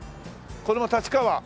これも立川。